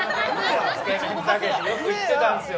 つけ麺たけしよく行ってたんすよ